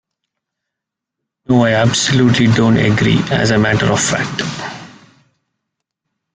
No, I absolutely don't agree, as a matter of fact